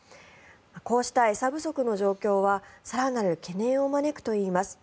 こうした餌不足の状況は更なる懸念を招くといいます。